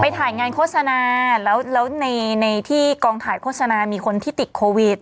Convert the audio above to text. ถ่ายงานโฆษณาแล้วในที่กองถ่ายโฆษณามีคนที่ติดโควิด